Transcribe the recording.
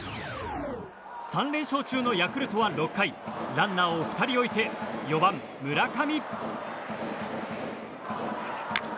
３連勝中のヤクルトは６回ランナーを２人置いて４番、村上。